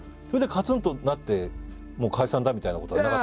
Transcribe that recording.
それでカツンとなってもう解散だみたいなことは。